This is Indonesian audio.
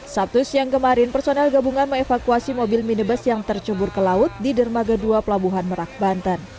sabtu siang kemarin personel gabungan mengevakuasi mobil minibus yang tercebur ke laut di dermaga dua pelabuhan merak banten